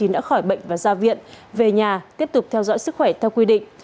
đã khỏi bệnh và ra viện về nhà tiếp tục theo dõi sức khỏe theo quy định